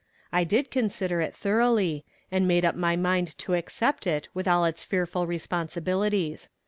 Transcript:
I did consider it thoroughly, and made up my mind to accept it with all its fearful responsibilities.